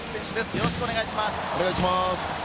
よろしくお願いします。